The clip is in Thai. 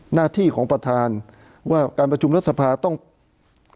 หน้าที่ของประธานว่าการประชุมรัฐสภาพเกิดไปตรงกัน